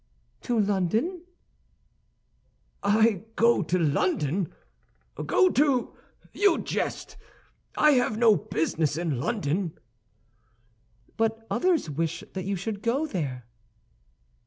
"To London." "I go to London? Go to! You jest! I have no business in London." "But others wish that you should go there."